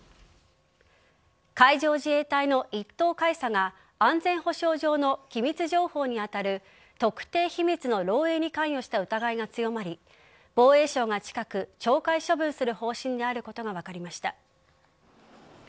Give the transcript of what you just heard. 海上自衛隊の１等海佐が安全保障上の機密情報に当たる特定秘密の漏えいに関与した疑いが強まり防衛省が近く懲戒処分する方針であることが分かりました。